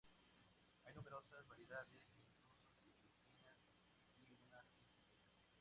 Hay numerosas variedades incluso sin espinas y una sin semilla.